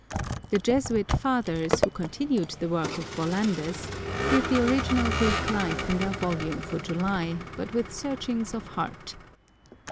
The Jesuit Fathers, who continued the work of Bollandus, give the original Greek Life in their volume for July, but with searchings of heart.